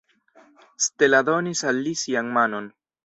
Stella donis al li sian manon.